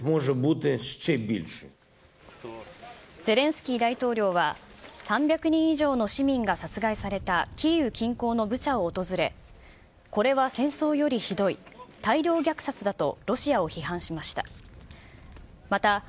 ゼレンスキー大統領は、３００人以上の市民が殺害されたキーウ近郊のブチャを訪れ、これは戦争よりひどい、大量虐殺だとロシアを批判しました。